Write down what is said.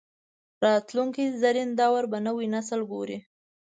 راتلونکي زرین دور به نوی نسل ګوري